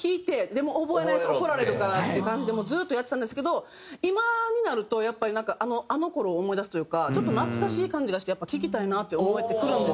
でも覚えないと怒られるからっていう感じでずっとやってたんですけど今になるとやっぱりなんかあの頃を思い出すというかちょっと懐かしい感じがしてやっぱ聴きたいなって思えてくるんですよね。